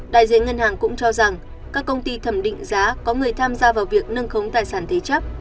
đại diện ngân hàng cũng cho rằng các công ty thẩm định giá có người tham gia vào việc nâng khống tài sản thế chấp